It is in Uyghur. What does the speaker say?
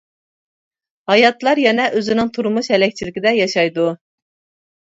ھاياتلار يەنە ئۆزىنىڭ تۇرمۇش ھەلەكچىلىكىدە ياشايدۇ.